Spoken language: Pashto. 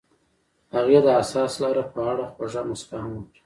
هغې د حساس لاره په اړه خوږه موسکا هم وکړه.